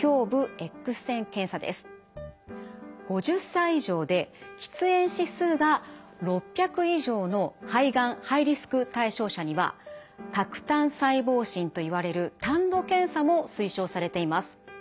５０歳以上で喫煙指数が６００以上の肺がんハイリスク対象者には喀痰細胞診といわれるたんの検査も推奨されています。